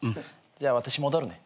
じゃあ私戻るね。